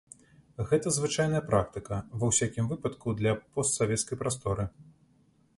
Гэта звычайная практыка, ва ўсякім выпадку для постсавецкай прасторы.